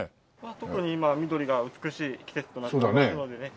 特に今緑が美しい季節となってますのでね。